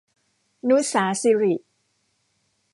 ณุศาศิริ